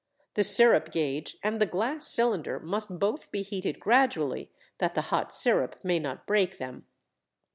The sirup gauge and the glass cylinder must both be heated gradually that the hot sirup may not break them.